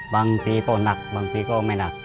บางทีก็หนักบางทีก็ไม่หนัก